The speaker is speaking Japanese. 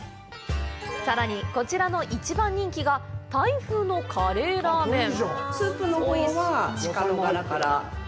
さらに、こちらの一番人気がタイ風のカレーラーメン！